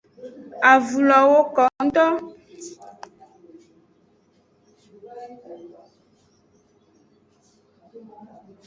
Avun lo woko ngto.